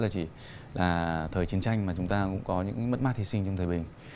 là chỉ là thời chiến tranh mà chúng ta cũng có những mất mát hy sinh trong thời bình